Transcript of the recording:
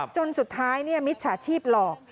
จนสุดท้ายมิจฉาชีพหลอก